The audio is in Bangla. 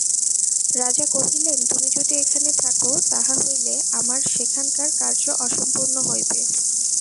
রাজা কহিলেন, তুমি যদি এখানে থাক তাহা হইলে আমার সেখানকার কার্য অসম্পূর্ণ হইবে।